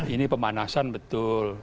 ini pemanasan betul